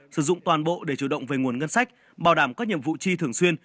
sử dụng toàn bộ để chủ động về nguồn ngân sách bảo đảm các nhiệm vụ chi thường xuyên